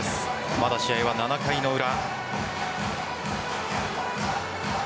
まだ試合は７回の裏。